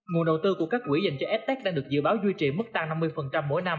nguồn đầu tư của các quỹ dành cho fta đang được dự báo duy trì mức tăng năm mươi mỗi năm